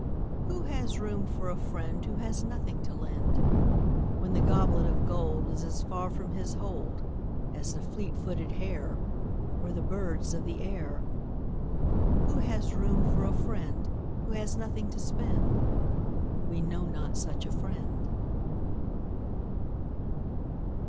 Who has room for a friend Who has nothing to lend, When the goblet of gold Is as far from his hold As the fleet footed hare, Or the birds of the air. Who has room for a friend Who has nothing to spend? We know not such a friend.